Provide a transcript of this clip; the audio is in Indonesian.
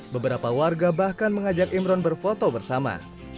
beberapa warga bahkan mengajak imron berfoto bersama